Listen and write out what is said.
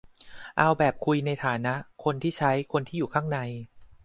เอาแบบคุยในฐานะ คนที่ใช้ คนที่อยู่ข้างใน